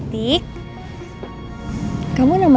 tapi kan ini bukan arah rumah